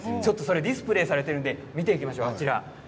ディスプレーされているので見ていきましょう。